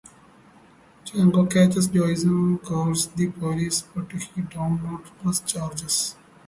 Jago catches Joe and calls the police but he does not press charges.